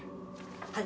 はい。